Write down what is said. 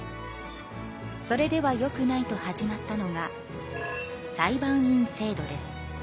それではよくないと始まったのが裁判員制度です。